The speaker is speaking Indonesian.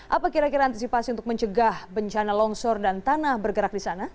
apa kira kira antisipasi untuk mencegah bencana longsor dan tanah bergerak di sana